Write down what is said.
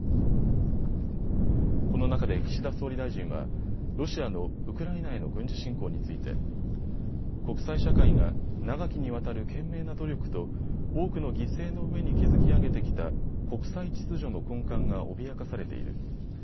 この中で岸田総理大臣はロシアのウクライナへの軍事侵攻について国際社会が長きにわたる懸命な努力と多くの犠牲の上に築き上げてきた国際秩序の根幹が脅かされている。